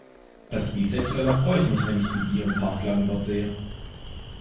Als Bisexueller freu ich mich, wenn ich die Bi- und Pan-Flaggen dort sehe.